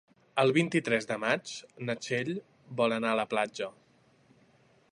El vint-i-tres de maig na Txell vol anar a la platja.